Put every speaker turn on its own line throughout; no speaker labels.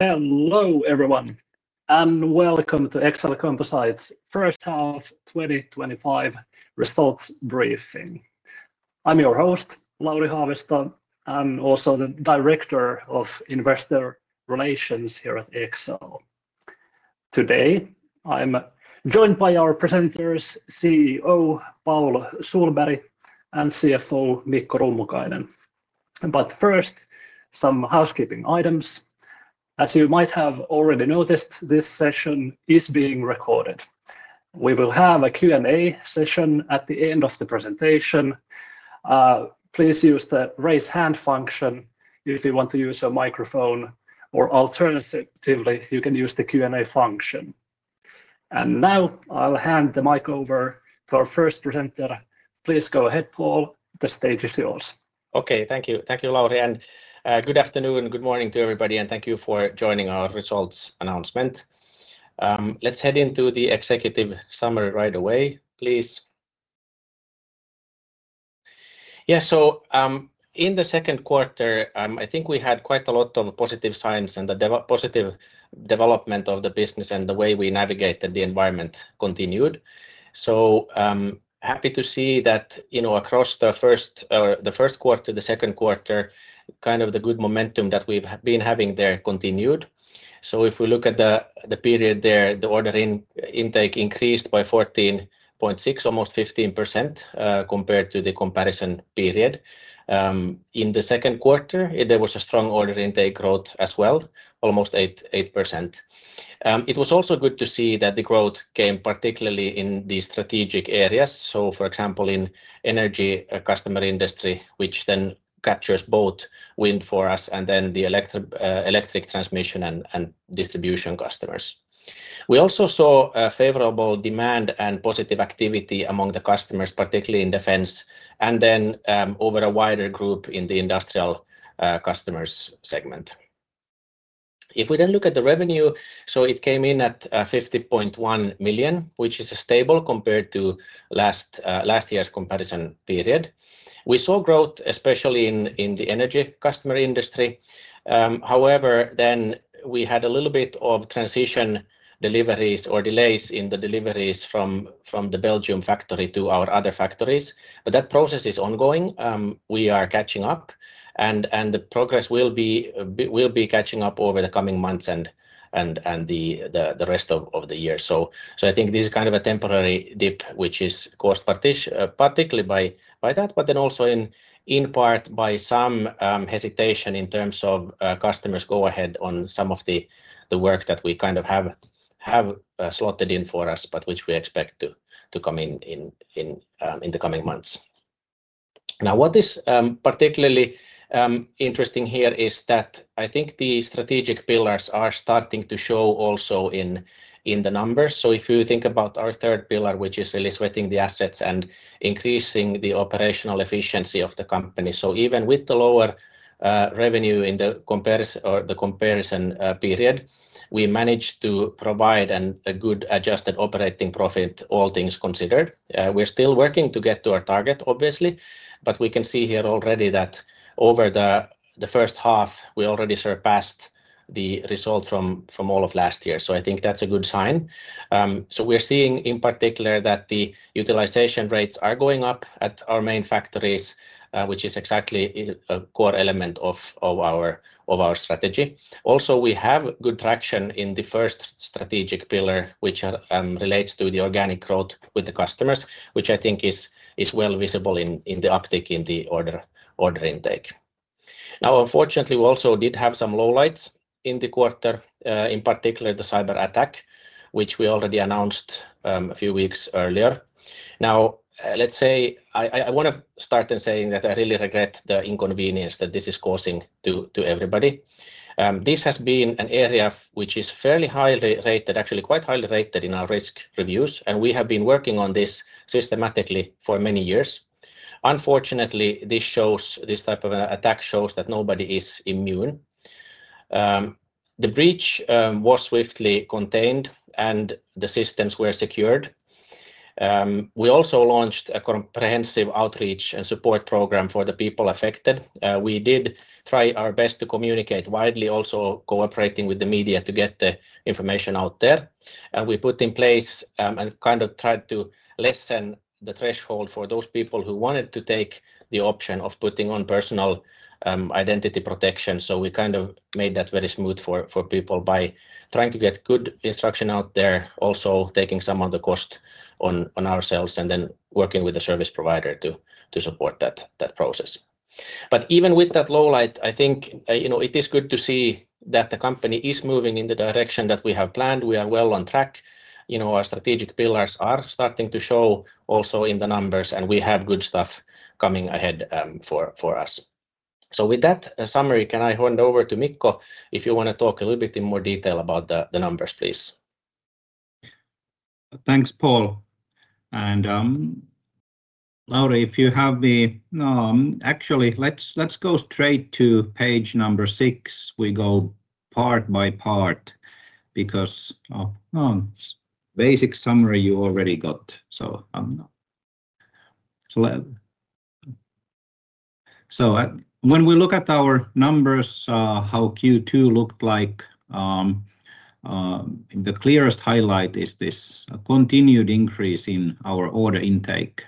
Hello everyone, and welcome to Exel Composites' first half 2025 results briefing. I'm your host, Lauri Haavisto, and also the Director of Investor Relations here at Exel. Today, I'm joined by our presenters, CEO Paul Sohlberg and CFO Mikko Rummukainen. First, some housekeeping items. As you might have already noticed, this session is being recorded. We will have a Q&A session at the end of the presentation. Please use the raise hand function if you want to use your microphone, or alternatively, you can use the Q&A function. Now, I'll hand the mic over to our first presenter. Please go ahead, Paul. The stage is yours.
Okay, thank you. Thank you, Lauri, and good afternoon. Good morning to everybody, and thank you for joining our results announcement. Let's head into the executive summary right away, please. In the second quarter, I think we had quite a lot of positive signs and the positive development of the business and the way we navigated the environment continued. Happy to see that across the first quarter to the second quarter, kind of the good momentum that we've been having there continued. If we look at the period there, the order intake increased by 14.6%, almost 15% compared to the comparison period. In the second quarter, there was a strong order intake growth as well, almost 8%. It was also good to see that the growth came particularly in the strategic areas. For example, in the energy customer industry, which then captures both wind for us and then the electric transmission and distribution customers. We also saw a favorable demand and positive activity among the customers, particularly in defense, and then over a wider group in the industrial customers' segment. If we then look at the revenue, it came in at €50.1 million, which is stable compared to last year's comparison period. We saw growth, especially in the energy customer industry. However, we had a little bit of transition deliveries or delays in the deliveries from the Belgium factory to our other factories, but that process is ongoing. We are catching up, and the progress will be catching up over the coming months and the rest of the year. I think this is kind of a temporary dip, which is caused particularly by that, but then also in part by some hesitation in terms of customers going ahead on some of the work that we kind of have slotted in for us, but which we expect to come in in the coming months. What is particularly interesting here is that I think the strategic pillars are starting to show also in the numbers. If you think about our third pillar, which is really sweating the assets and increasing the operational efficiency of the company, even with the lower revenue in the comparison period, we managed to provide a good adjusted operating profit, all things considered. We're still working to get to our target, obviously, but we can see here already that over the first half, we already surpassed the result from all of last year. I think that's a good sign. We're seeing in particular that the utilization rates are going up at our main factories, which is exactly a core element of our strategy. Also, we have good traction in the first strategic pillar, which relates to the organic growth with the customers, which I think is well visible in the uptick in the order intake. Unfortunately, we also did have some lowlights in the quarter, in particular the cyber attack, which we already announced a few weeks earlier. I want to start in saying that I really regret the inconvenience that this is causing to everybody. This has been an area which is fairly highly rated, actually quite highly rated in our risk reviews, and we have been working on this systematically for many years. Unfortunately, this type of attack shows that nobody is immune. The breach was swiftly contained, and the systems were secured. We also launched a comprehensive outreach and support program for the people affected. We did try our best to communicate widely, also cooperating with the media to get the information out there. We put in place and kind of tried to lessen the threshold for those people who wanted to take the option of putting on personal identity protection. We kind of made that very smooth for people by trying to get good instruction out there, also taking some of the cost on ourselves, and then working with the service provider to support that process. Even with that lowlight, I think it is good to see that the company is moving in the direction that we have planned. We are well on track. Our strategic pillars are starting to show also in the numbers, and we have good stuff coming ahead for us. With that summary, can I hand over to Mikko if you want to talk a little bit in more detail about the numbers, please?
Thanks, Paul. Lauri, if you have the... No, actually, let's go straight to page number six. We go part by part because of the basic summary you already got. When we look at our numbers, how Q2 looked like, the clearest highlight is this continued increase in our order intake.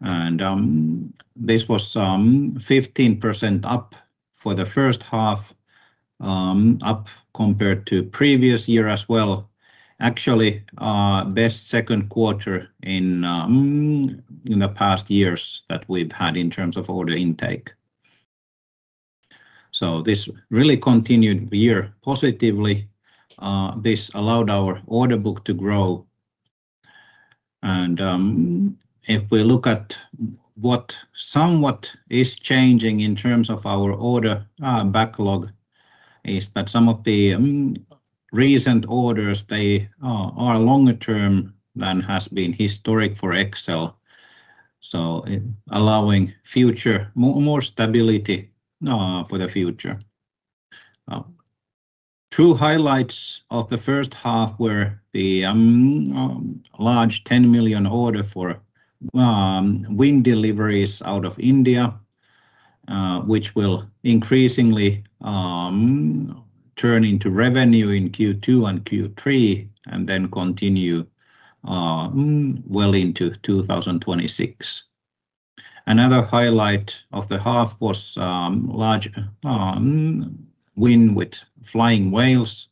This was 15% up for the first half, up compared to the previous year as well. Actually, the best second quarter in the past years that we've had in terms of order intake. This really continued the year positively. This allowed our order book to grow. If we look at what somewhat is changing in terms of our order backlog, some of the recent orders are longer term than has been historic for Exel, allowing more stability for the future. Two highlights of the first half were the large $10 million order for wind deliveries out of India, which will increasingly turn into revenue in Q2 and Q3, and then continue well into 2026. Another highlight of the half was large wind with FLYING WHALES,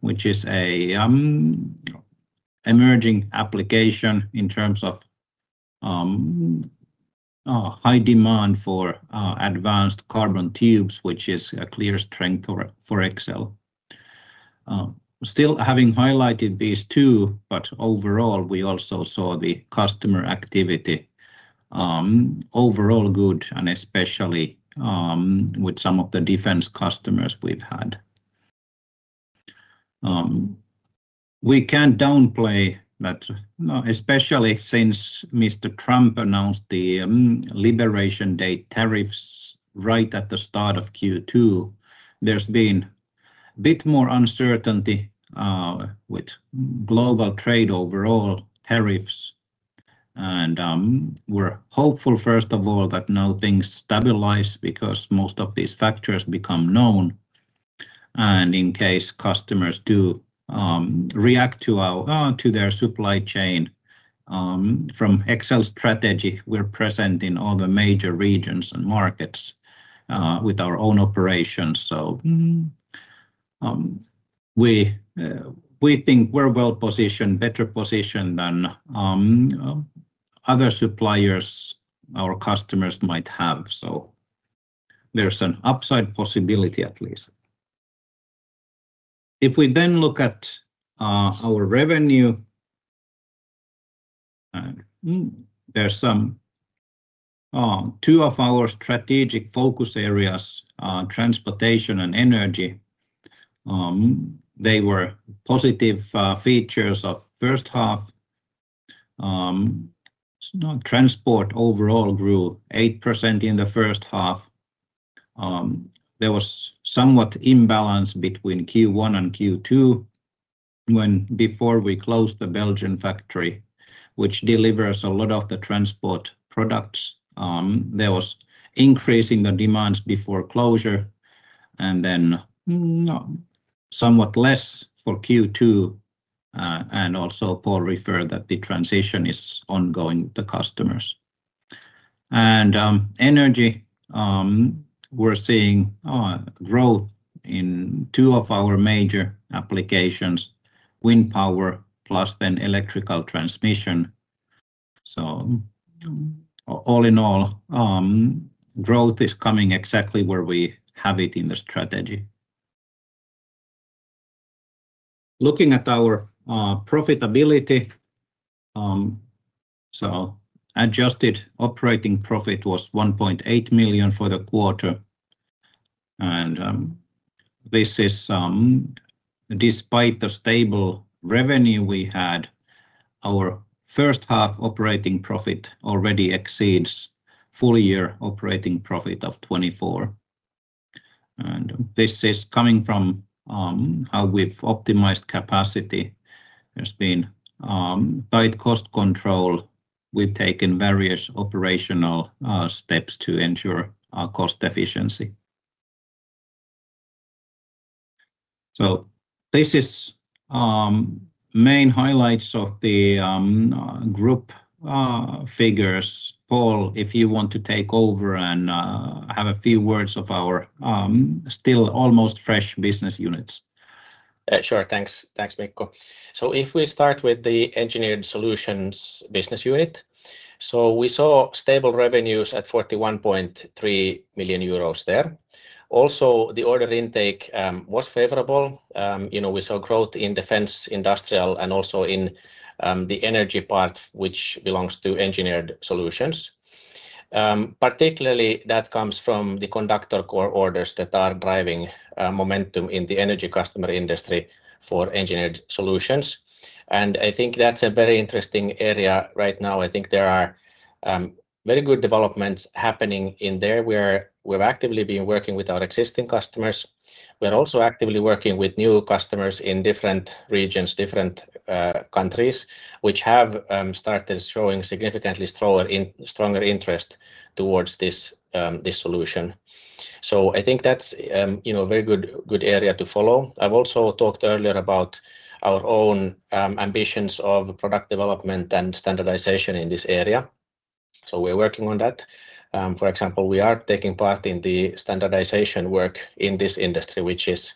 which is an emerging application in terms of high demand for advanced carbon tubes, which is a clear strength for Exel. Still having highlighted these two, overall, we also saw the customer activity overall good, especially with some of the defense customers we've had. We can't downplay that, especially since Mr. Trump announced the Liberation Day tariffs right at the start of Q2. There's been a bit more uncertainty with global trade overall tariffs. We're hopeful, first of all, that now things stabilize because most of these factors become known. In case customers do react to their supply chain, from Exel strategy, we're present in all the major regions and markets with our own operations. We think we're well positioned, better positioned than other suppliers our customers might have. There's an upside possibility at least. If we then look at our revenue, two of our strategic focus areas: transportation and energy, were positive features of the first half. Transport overall grew 8% in the first half. There was somewhat imbalance between Q1 and Q2 when before we closed the Belgium factory, which delivers a lot of the transport products. There was increase in the demands before closure, and then somewhat less for Q2. Paul referred that the transition is ongoing with the customers. Energy, we're seeing growth in two of our major applications: wind power plus then electrical transmission. All in all, growth is coming exactly where we have it in the strategy. Looking at our profitability, adjusted operating profit was €1.8 million for the quarter. This is despite the stable revenue we had. Our first half operating profit already exceeds full year operating profit of 2024. This is coming from how we've optimized capacity. There's been tight cost control. We've taken various operational steps to ensure cost efficiency. This is the main highlights of the group figures. Paul, if you want to take over and have a few words of our still almost fresh business units.
Sure, thanks, Mikko. If we start with the engineered solutions business unit, we saw stable revenues at €41.3 million there. Also, the order intake was favorable. We saw growth in defense industrial and also in the energy part, which belongs to engineered solutions. Particularly, that comes from the conductor core orders that are driving momentum in the energy customer industry for engineered solutions. I think that's a very interesting area right now. I think there are very good developments happening in there. We're actively working with our existing customers. We're also actively working with new customers in different regions, different countries, which have started showing significantly stronger interest towards this solution. I think that's a very good area to follow. I've also talked earlier about our own ambitions of product development and standardization in this area. We're working on that. For example, we are taking part in the standardization work in this industry, which is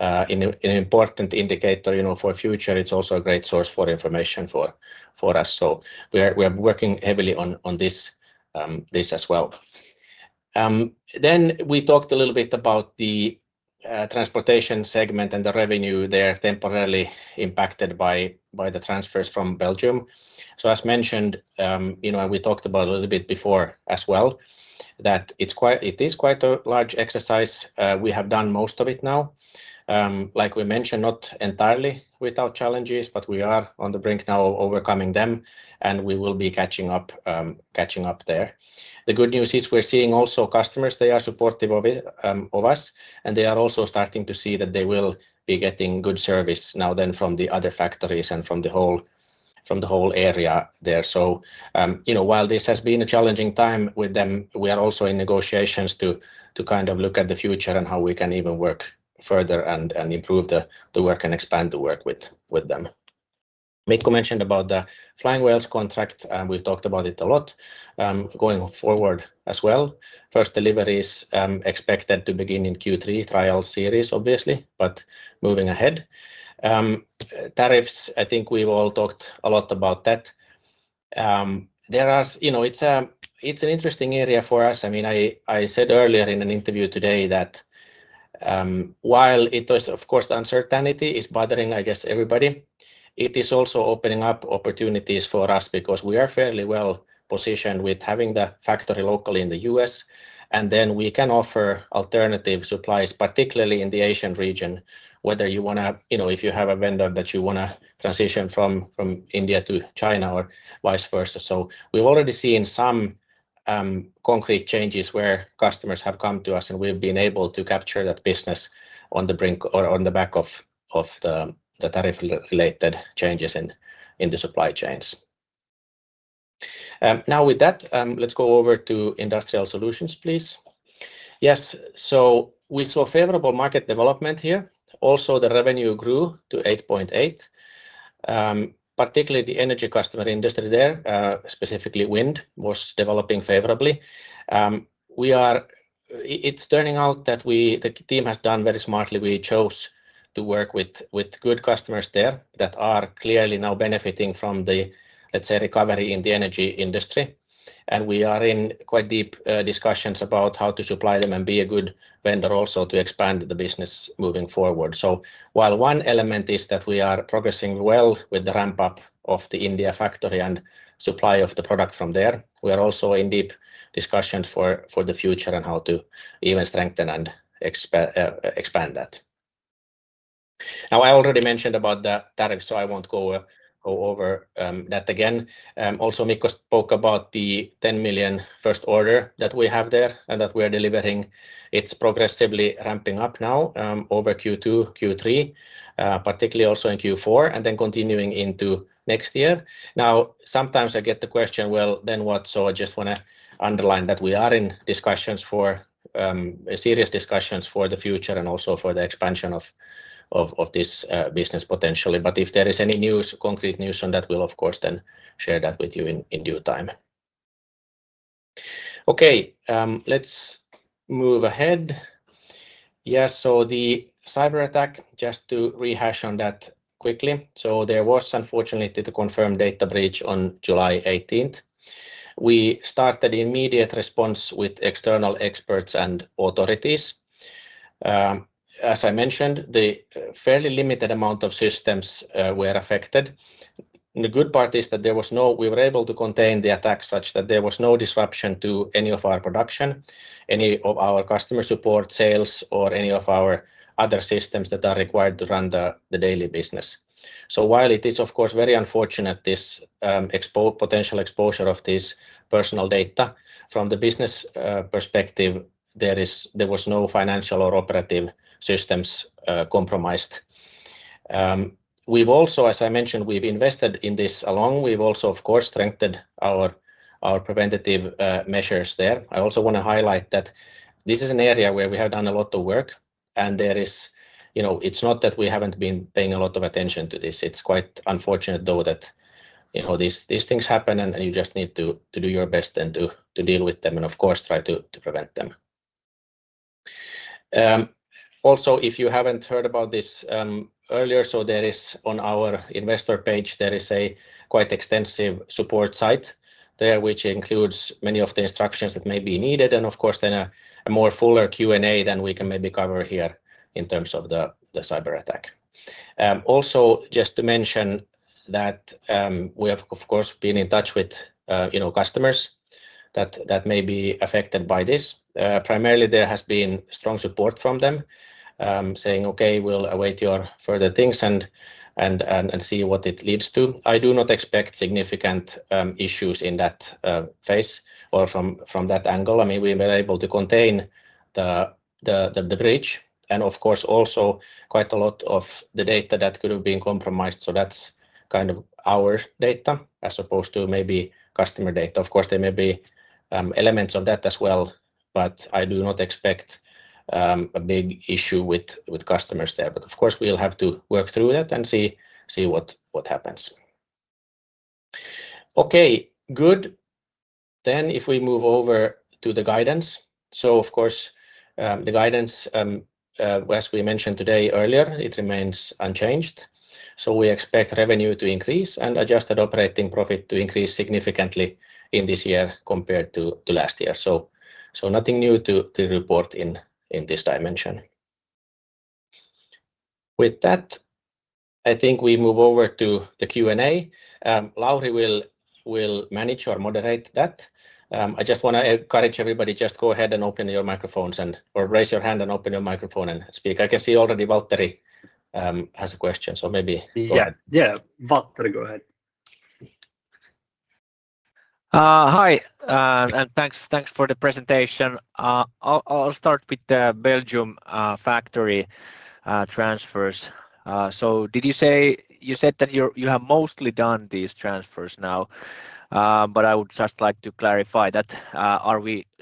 an important indicator for the future. It's also a great source for information for us. We're working heavily on this as well. We talked a little bit about the transportation segment and the revenue there temporarily impacted by the transfers from Belgium. As mentioned, and we talked about a little bit before as well, it is quite a large exercise. We have done most of it now. Like we mentioned, not entirely without challenges, but we are on the brink now of overcoming them, and we will be catching up there. The good news is we're seeing also customers, they are supportive of us, and they are also starting to see that they will be getting good service now from the other factories and from the whole area there. While this has been a challenging time with them, we are also in negotiations to kind of look at the future and how we can even work further and improve the work and expand the work with them. Mikko mentioned about the FLYING WHALES contract. We've talked about it a lot going forward as well. First deliveries expected to begin in Q3, trial series obviously, but moving ahead. Tariffs, I think we've all talked a lot about that. It's an interesting area for us. I said earlier in an interview today that while, of course, uncertainty is bothering, I guess, everybody, it is also opening up opportunities for us because we are fairly well positioned with having the factory locally in the U.S. We can offer alternative supplies, particularly in the Asian region, whether you want to, you know, if you have a vendor that you want to transition from India to China or vice versa. We've already seen some concrete changes where customers have come to us, and we've been able to capture that business on the brink or on the back of the tariff-related changes in the supply chains. Now, with that, let's go over to industrial solutions, please. Yes, we saw favorable market development here. Also, the revenue grew to $8.8 million. Particularly, the energy customer industry there, specifically wind, was developing favorably. It's turning out that the team has done very smartly. We chose to work with good customers there that are clearly now benefiting from the, let's say, recovery in the energy industry. We are in quite deep discussions about how to supply them and be a good vendor also to expand the business moving forward. While one element is that we are progressing well with the ramp-up of the India factory and supply of the product from there, we are also in deep discussions for the future and how to even strengthen and expand that. I already mentioned about the tariffs, so I won't go over that again. Also, Mikko spoke about the $10 million first order that we have there and that we are delivering. It's progressively ramping up now over Q2, Q3, particularly also in Q4, and then continuing into next year. Sometimes I get the question, then what? I just want to underline that we are in discussions, serious discussions for the future and also for the expansion of this business potentially. If there is any news, concrete news on that, we'll, of course, then share that with you in due time. Okay, let's move ahead. Yes, the cyber attack, just to rehash on that quickly. There was, unfortunately, the confirmed data breach on July 18th. We started the immediate response with external experts and authorities. As I mentioned, the fairly limited amount of systems were affected. The good part is that we were able to contain the attack such that there was no disruption to any of our production, any of our customer support, sales, or any of our other systems that are required to run the daily business. While it is, of course, very unfortunate, this potential exposure of this personal data, from the business perspective, there was no financial or operative systems compromised. We've also, as I mentioned, invested in this alone. We've also, of course, strengthened our preventative measures there. I also want to highlight that this is an area where we have done a lot of work, and it's not that we haven't been paying a lot of attention to this. It's quite unfortunate, though, that these things happen, and you just need to do your best and to deal with them and, of course, try to prevent them. Also, if you haven't heard about this earlier, on our investor page, there is a quite extensive support site there, which includes many of the instructions that may be needed, and, of course, then a more fuller Q&A than we can maybe cover here in terms of the cyber attack. Also, just to mention that we have, of course, been in touch with customers that may be affected by this. Primarily, there has been strong support from them, saying, okay, we'll await your further things and see what it leads to. I do not expect significant issues in that phase or from that angle. I mean, we were able to contain the breach and, of course, also quite a lot of the data that could have been compromised. That's kind of our data as opposed to maybe customer data. Of course, there may be elements of that as well, but I do not expect a big issue with customers there. Of course, we'll have to work through that and see what happens. Okay, good. If we move over to the guidance. The guidance, as we mentioned today earlier, remains unchanged. We expect revenue to increase and adjusted operating profit to increase significantly in this year compared to last year. Nothing new to report in this dimension. With that, I think we move over to the Q&A. Lauri will manage or moderate that. I just want to encourage everybody, just go ahead and open your microphones or raise your hand and open your microphone and speak. I can see already Valtteri has a question, so maybe.
Yeah, Valtteri, go ahead. Hi, and thanks for the presentation. I'll start with the Belgium factory transfers. Did you say that you have mostly done these transfers now? I would just like to clarify that.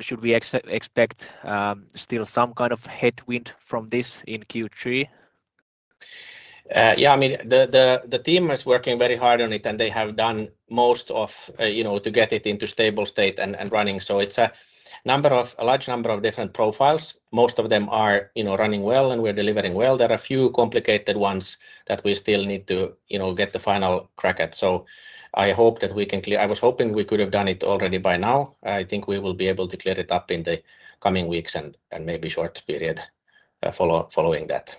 Should we expect still some kind of headwind from this in Q3?
Yeah, the team is working very hard on it, and they have done most of, you know, to get it into stable state and running. It's a large number of different profiles. Most of them are running well, and we're delivering well. There are a few complicated ones that we still need to get the final crack at. I hope that we can clear. I was hoping we could have done it already by now. I think we will be able to clear it up in the coming weeks and maybe a short period following that.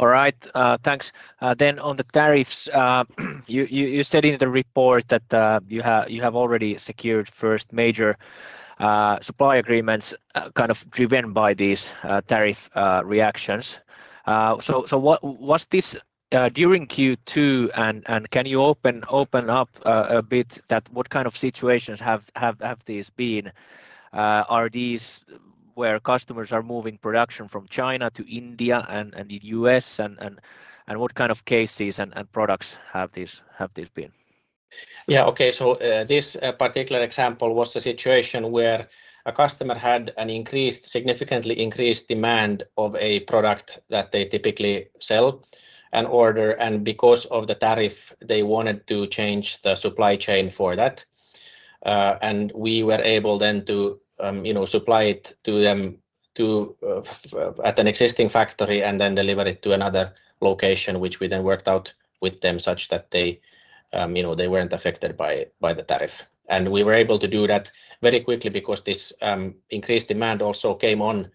All right, thanks. On the tariffs, you said in the report that you have already secured first major supply agreements kind of driven by these tariff reactions. Was this during Q2, and can you open up a bit that what kind of situations have these been? Are these where customers are moving production from China to India and the U.S., and what kind of cases and products have these been? Yeah, okay, this particular example was a situation where a customer had an increased, significantly increased demand of a product that they typically sell and order, and because of the tariff, they wanted to change the supply chain for that. We were able then to supply it to them at an existing factory and then deliver it to another location, which we then worked out with them such that they weren't affected by the tariff. We were able to do that very quickly because this increased demand also came on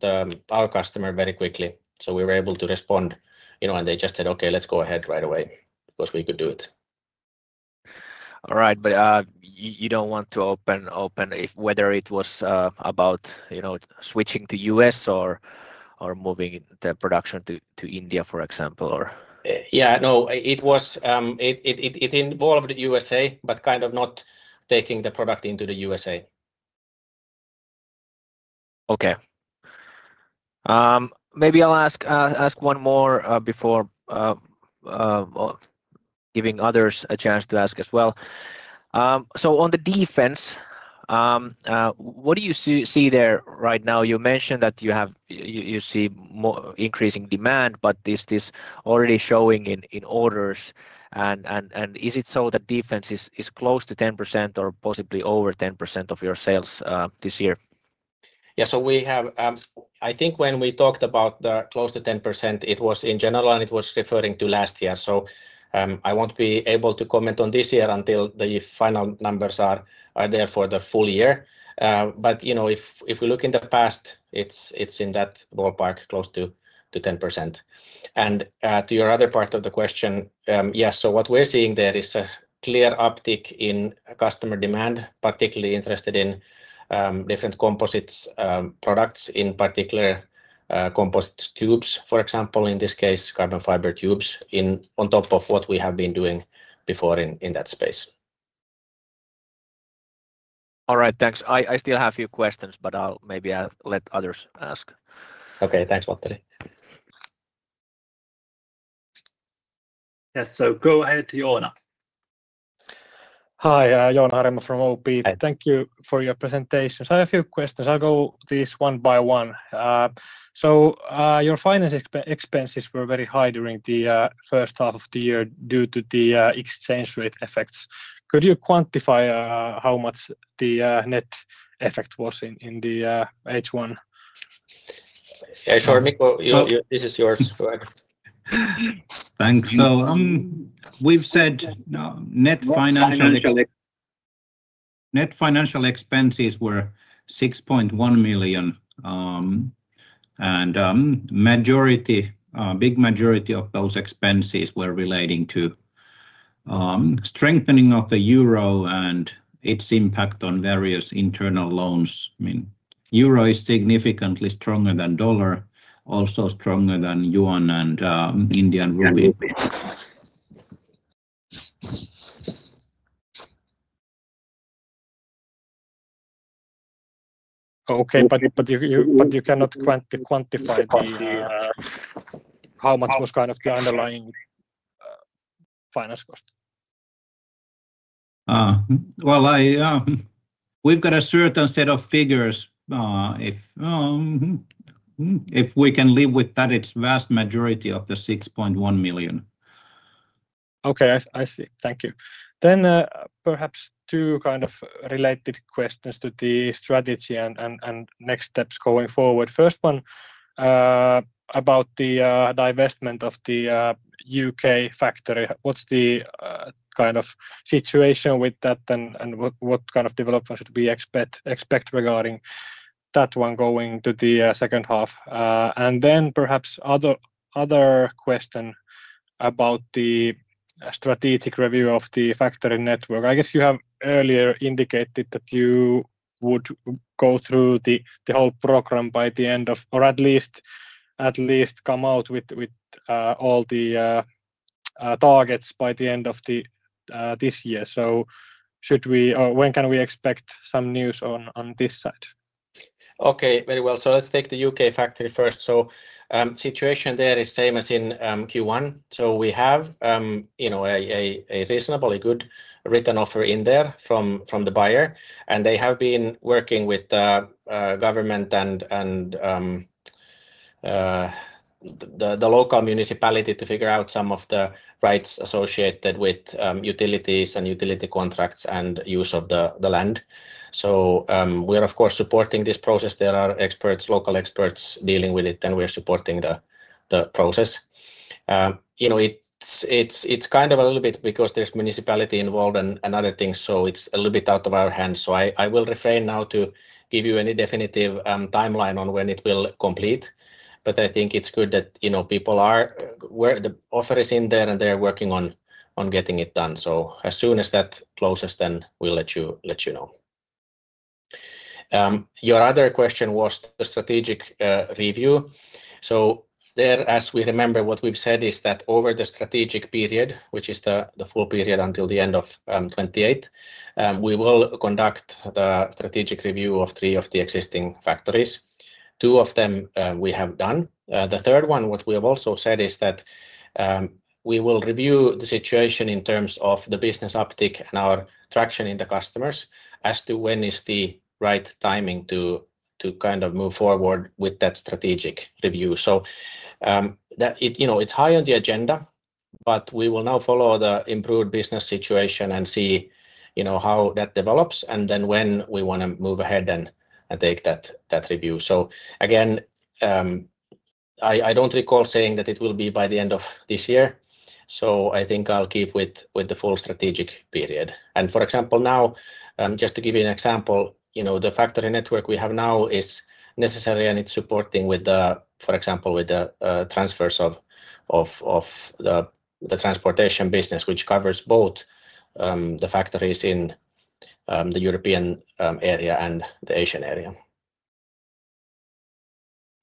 the power customer very quickly. We were able to respond, and they just said, okay, let's go ahead right away because we could do it. All right, but you don't want to open, whether it was about switching to U.S. or moving the production to India, for example, or... Yeah, no, it was, it involved the U.S.A., but kind of not taking the product into the U.S.A. Okay, maybe I'll ask one more before giving others a chance to ask as well. On the defense, what do you see there right now? You mentioned that you see more increasing demand, but is this already showing in orders? Is it so that defense is close to 10% or possibly over 10% of your sales this year? Yeah, so we have, I think when we talked about the close to 10%, it was in general and it was referring to last year. I won't be able to comment on this year until the final numbers are there for the full year. If we look in the past, it's in that ballpark close to 10%. To your other part of the question, yes, what we're seeing there is a clear uptick in customer demand, particularly interested in different composites products, in particular composite tubes, for example, in this case, carbon fiber tubes on top of what we have been doing before in that space. All right, thanks. I still have a few questions, but I'll maybe let others ask. Okay, thanks, Valtteri.
Yes, go ahead, Joona. Hi, Joona, I'm from OP. Thank you for your presentations. I have a few questions. I'll go these one by one. Your finance expenses were very high during the first half of the year due to the exchange rate effects. Could you quantify how much the net effect was in the H1?
Sure, Mikko, this is yours forever.
Thanks. We've said net financial expenses were €6.1 million, and a big majority of those expenses were relating to strengthening of the euro and its impact on various internal loans. I mean, euro is significantly stronger than dollar, also stronger than yuan and Indian rupee. Okay, you cannot quantify how much was kind of the underlying finance cost? We've got a certain set of figures. If we can live with that, it's a vast majority of the $6.1 million. Okay, I see. Thank you. Perhaps two kind of related questions to the strategy and next steps going forward. First one about the divestment of the UK factory. What's the kind of situation with that, and what kind of development should we expect regarding that one going to the second half? Another question about the strategic review of the factory network. I guess you have earlier indicated that you would go through the whole program by the end of, or at least come out with all the targets by the end of this year. Should we, or when can we expect some news on this side?
Okay, very well. Let's take the UK factory first. The situation there is the same as in Q1. We have a reasonably good written offer in from the buyer, and they have been working with the government and the local municipality to figure out some of the rights associated with utilities and utility contracts and the use of the land. We are, of course, supporting this process. There are local experts dealing with it, and we are supporting the process. It's kind of a little bit because there's municipality involved and other things, so it's a little bit out of our hands. I will refrain now to give you any definitive timeline on when it will complete, but I think it's good that the offer is in, and they are working on getting it done. As soon as that closes, we'll let you know. Your other question was the strategic review. As we remember, what we've said is that over the strategic period, which is the full period until the end of 2028, we will conduct the strategic review of three of the existing factories. Two of them we have done. The third one, what we have also said, is that we will review the situation in terms of the business uptick and our traction in the customers as to when is the right timing to move forward with that strategic review. It's high on the agenda, but we will now follow the improved business situation and see how that develops and then when we want to move ahead and take that review. I don't recall saying that it will be by the end of this year, so I think I'll keep with the full strategic period. For example, now, just to give you an example, the factory network we have now is necessary, and it's supporting with the transfers of the transportation business, which covers both the factories in the European area and the Asian area.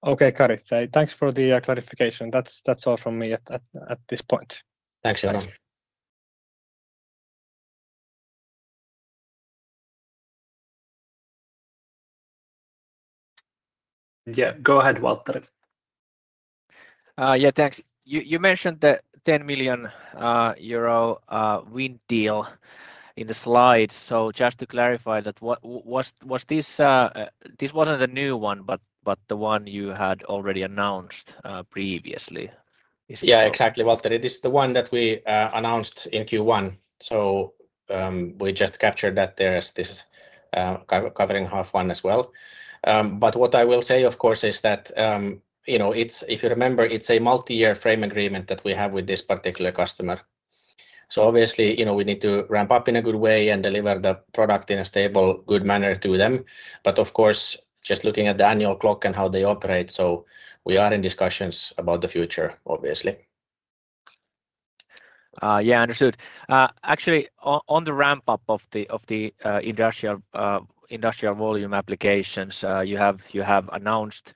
Okay, correct. Thanks for the clarification. That's all from me at this point. Thanks, Joona.
Yeah, go ahead, Valtteri. Yeah, thanks. You mentioned the €10 million wind deal in the slides, so just to clarify, this wasn't a new one, but the one you had already announced previously. Is it?
Yeah, exactly, Valtteri. This is the one that we announced in Q1. We just captured that there's this covering H1 as well. What I will say, of course, is that, you know, if you remember, it's a multi-year frame agreement that we have with this particular customer. Obviously, we need to ramp up in a good way and deliver the product in a stable, good manner to them. Just looking at the annual clock and how they operate, we are in discussions about the future, obviously. Yeah, understood. Actually, on the ramp-up of the industrial volume applications, you have announced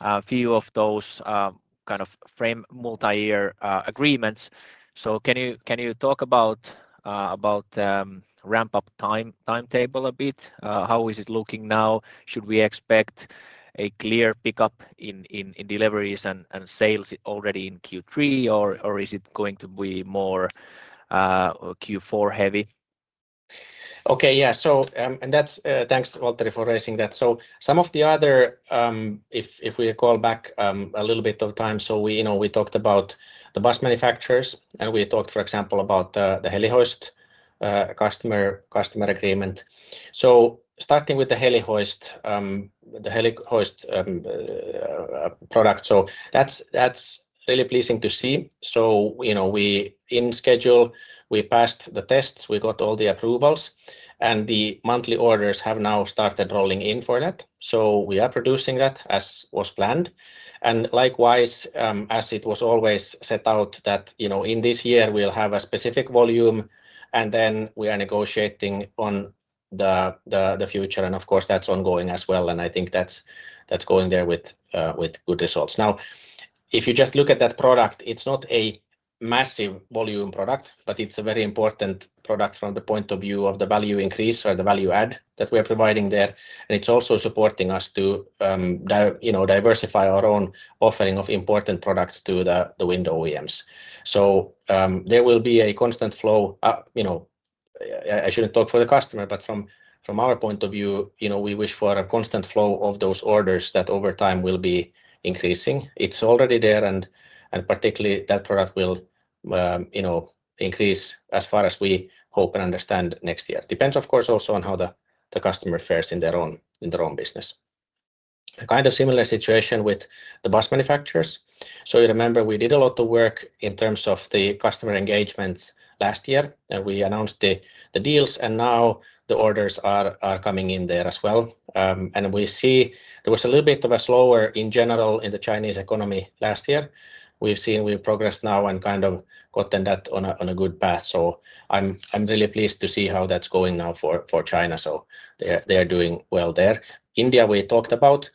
a few of those kind of frame multi-year agreements. Can you talk about the ramp-up timetable a bit? How is it looking now? Should we expect a clear pickup in deliveries and sales already in Q3, or is it going to be more Q4 heavy? Okay, yeah, thanks Valtteri for raising that. Some of the other, if we recall back a little bit of time, we talked about the bus manufacturers, and we talked, for example, about the helihoist customer agreement. Starting with the helihoist, the helihoist product, that's really pleasing to see. We are in schedule, we passed the tests, we got all the approvals, and the monthly orders have now started rolling in for that. We are producing that as was planned. Likewise, as it was always set out, in this year we'll have a specific volume, and then we are negotiating on the future. That's ongoing as well, and I think that's going there with good results. If you just look at that product, it's not a massive volume product, but it's a very important product from the point of view of the value increase or the value add that we are providing there. It's also supporting us to diversify our own offering of important products to the wind OEMs. There will be a constant flow, I shouldn't talk for the customer, but from our point of view, we wish for a constant flow of those orders that over time will be increasing. It's already there, and particularly that product will increase as far as we hope and understand next year. Depends, of course, also on how the customer fares in their own business. A kind of similar situation with the bus manufacturers. You remember we did a lot of work in terms of the customer engagements last year, and we announced the deals, and now the orders are coming in there as well. We see there was a little bit of a slower in general in the Chinese economy last year. We've seen we've progressed now and kind of gotten that on a good path. I'm really pleased to see how that's going now for China. They're doing well there. India, we talked about.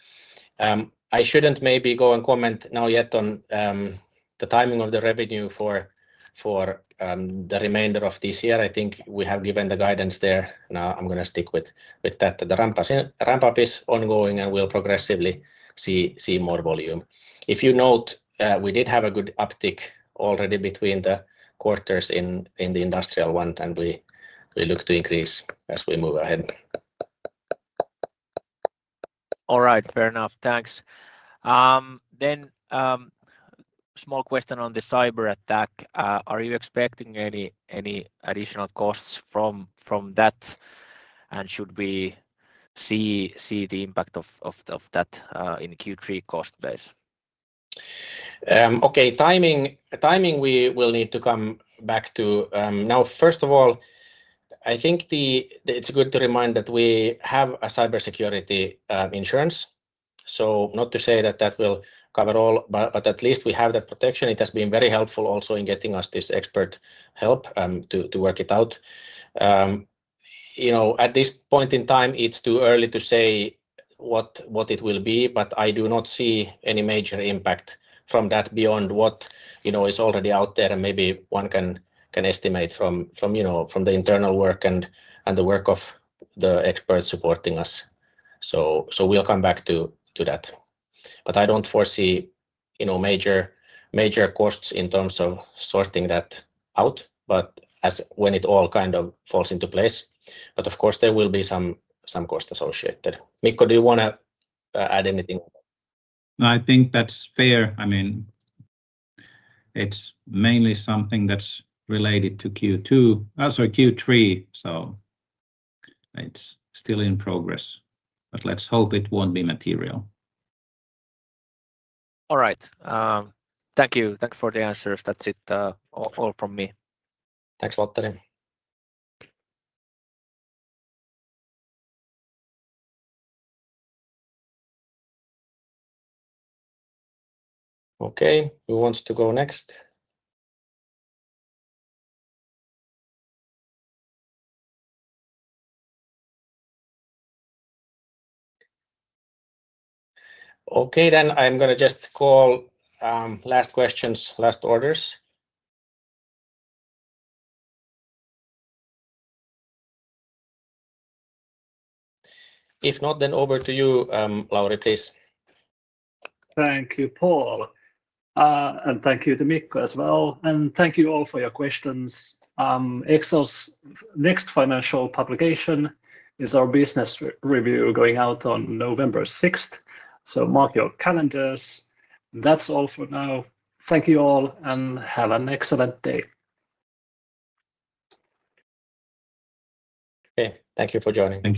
I shouldn't maybe go and comment now yet on the timing of the revenue for the remainder of this year. I think we have given the guidance there. I'm going to stick with that. The ramp-up is ongoing, and we'll progressively see more volume. If you note, we did have a good uptick already between the quarters in the industrial one, and we look to increase as we move ahead. All right, fair enough. Thanks. Then a small question on the cyber attack. Are you expecting any additional costs from that, and should we see the impact of that in Q3 cost base? Timing we will need to come back to. First of all, I think it's good to remind that we have a cybersecurity insurance. Not to say that that will cover all, but at least we have that protection. It has been very helpful also in getting us this expert help to work it out. At this point in time, it's too early to say what it will be, but I do not see any major impact from that beyond what is already out there. Maybe one can estimate from the internal work and the work of the experts supporting us. We'll come back to that. I don't foresee major major costs in terms of sorting that out, but as when it all kind of falls into place. Of course, there will be some costs associated. Mikko, do you want to add anything?
No, I think that's fair. I mean, it's mainly something that's related to Q2. Oh, sorry, Q3. It's still in progress, but let's hope it won't be material. All right. Thank you. Thanks for the answers. That's it all from me.
Thanks, Valtteri. Okay, who wants to go next? Okay, then I'm going to just call last questions, last orders. If not, then over to you, Lauri, please.
Thank you, Paul. Thank you to Mikko as well. Thank you all for your questions. Exel's next financial publication is our business review going out on November 6. Mark your calendars. That's all for now. Thank you all and have an excellent day.
Thank you for joining.